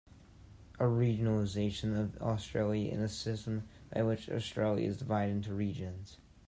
A regionalisation of Australia is a system by which Australia is divided into regions.